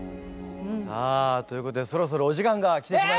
さあということでそろそろお時間が来てしまいました。